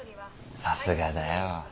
さすがだよ。